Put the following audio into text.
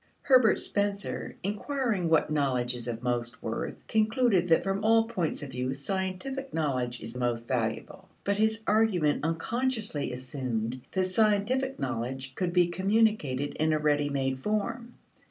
Herbert Spencer, inquiring what knowledge is of most worth, concluded that from all points of view scientific knowledge is most valuable. But his argument unconsciously assumed that scientific knowledge could be communicated in a ready made form.